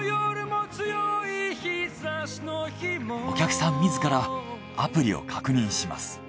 お客さん自らアプリを確認します。